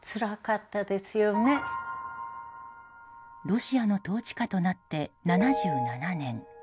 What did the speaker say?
ロシアの統治下となって７７年。